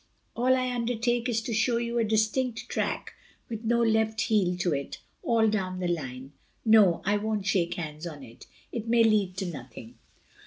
"All I undertake is to show you a distinct track with no left heel to it all down the line. No, I won't shake hands on it. It may lead to nothing."